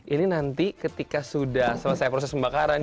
ini nanti ketika sudah selesai proses pembakaran